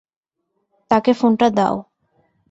তাকে ফোনটা দাও।